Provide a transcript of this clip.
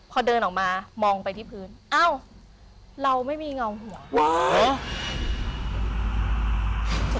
พอเดินออกมามองไปที่พื้นอ้าวเราไม่มีเงาหัว